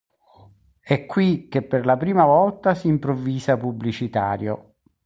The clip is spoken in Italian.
È qui che per la prima volta s'improvvisa pubblicitario.